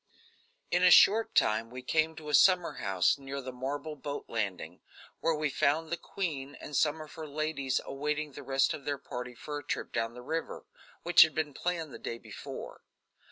In a short time we came to a summer house near the marble boat landing, where we found the queen and some of her ladies awaiting the rest of their party for a trip down the river, which had been planned the day before.